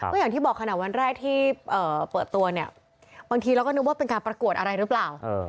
ก็อย่างที่บอกขณะวันแรกที่เปิดตัวเนี่ยบางทีเราก็นึกว่าเป็นการประกวดอะไรหรือเปล่า